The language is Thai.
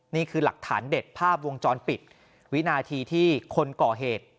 นี่คือหลักฐานเด็ดภาพวงจรปิดวินาทีที่คนก่อเหตุ